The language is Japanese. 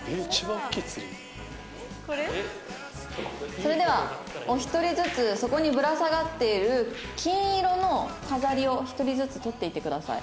「それではお一人ずつそこにぶら下がっている金色の飾りを一人ずつ取っていってください」